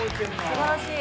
すばらしい！